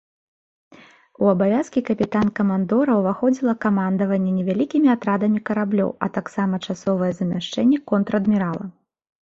У абавязкі капітан-камандора ўваходзіла камандаванне невялікімі атрадамі караблёў, а таксама часовае замяшчэнне контр-адмірала.